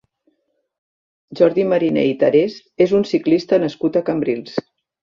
Jordi Mariné i Tarés és un ciclista nascut a Cambrils.